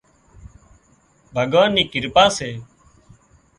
ڀڳوانَ نِي ڪرپا سي